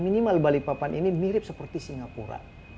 minimal balikpapan ini mirip seperti singapura